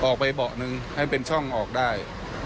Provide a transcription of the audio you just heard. ตัดออกคือแต่เบาะนึงให้เป็นช่องออกได้